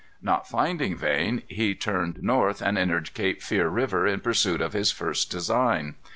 Not finding Vane, he turned north, and entered Cape Fear River in pursuit of his first design.